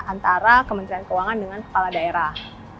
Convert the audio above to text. antara kementerian keuangan dengan kepala daerah